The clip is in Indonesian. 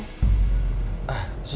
dia bilang dia adalah ponakan pasien